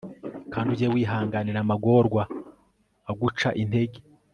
kandi ujye wihanganira amagorwa aguca intege